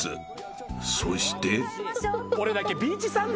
［そして］